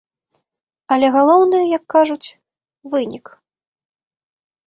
Але галоўнае, як кажуць, вынік.